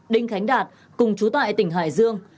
đinh khánh đạt cùng chú tại tỉnh hải dương